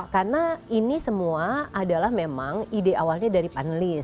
karena ini semua adalah memang ide awalnya dari panelis